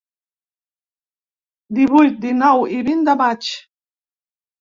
Divuit, dinou i vint de maig.